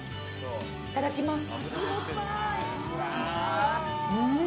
いただきます。